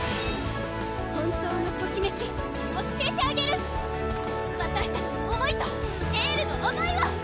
本当のトキメキ教えてあげるわたしたちの思いとエールの思いを！